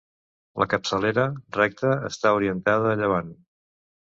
La capçalera, recta, està orientada a llevant.